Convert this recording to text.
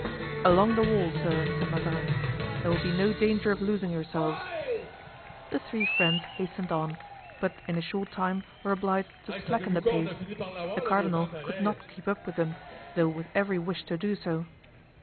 "Along the wall, sir," said Mazarin, "there will be no danger of losing yourselves." The three friends hastened on, but in a short time were obliged to slacken the pace. The cardinal could not keep up with them, though with every wish to do so.